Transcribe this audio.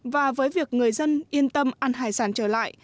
và với việc người dân yên tâm ăn hải sản trở lại